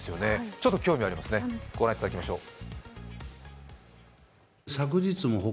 ちょっと興味ありますねご覧いただきましょう。